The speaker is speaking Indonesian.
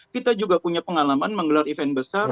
kita juga punya pengalaman menggelar event besar